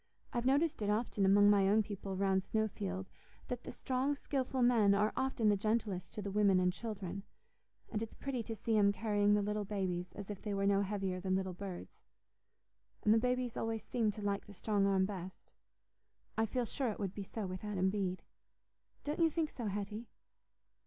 I've noticed it often among my own people round Snowfield, that the strong, skilful men are often the gentlest to the women and children; and it's pretty to see 'em carrying the little babies as if they were no heavier than little birds. And the babies always seem to like the strong arm best. I feel sure it would be so with Adam Bede. Don't you think so, Hetty?"